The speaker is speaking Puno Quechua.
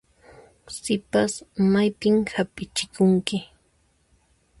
Sipas, maypin hampichikunki?